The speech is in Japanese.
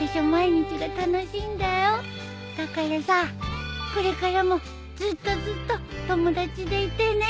だからさこれからもずっとずっと友達でいてね。